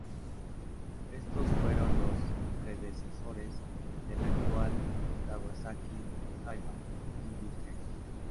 Estos fueron los predecesores de la actual Kawasaki Heavy Industries.